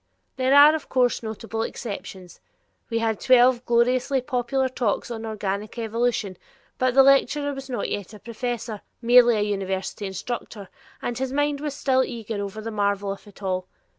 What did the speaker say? There are, of course, notable exceptions; we had twelve gloriously popular talks on organic evolution, but the lecturer was not yet a professor merely a university instructor and his mind was still eager over the marvel of it all.